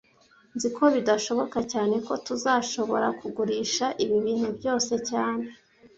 Nzi ko bidashoboka cyane ko tuzashobora kugurisha ibi bintu byose cyane